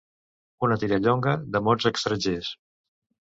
Una tirallonga de mots estrangers.